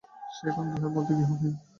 সে এখন গৃহের মধ্যে গৃহহীন।